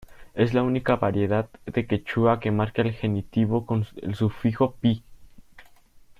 Es la única variedad de quechua que marca el genitivo con el sufijo "-pi.